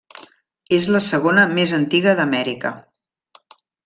És la segona més antiga d'Amèrica.